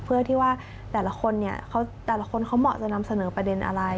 เพื่อที่ว่าแต่ละคนเขาเหมาะจะนำเสนอประเด็นอะไร